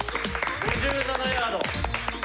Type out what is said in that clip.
５７ヤード。